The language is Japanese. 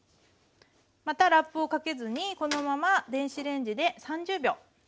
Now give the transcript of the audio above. またラップをかけずにこのまま電子レンジで３０秒加熱します。